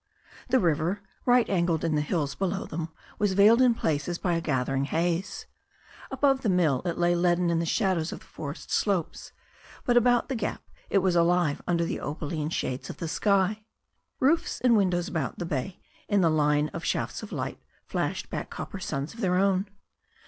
The river, right angled in the hills below them, was veiled in places by the gathering haze. Above the mill it lay leaden in the shadow of the forest slopes, but about the gap it was alive under the opaline shades in the sky. Roofs and windows about the Say in the line of shafts of light flashed back copper suns of their own.